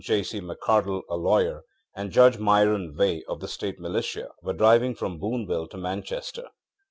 J. C. McArdle, a lawyer, and Judge Myron Veigh, of the State Militia, were driving from Booneville to Manchester.